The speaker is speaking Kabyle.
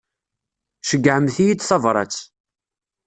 Ceyyɛemt-iyi-d tabrat.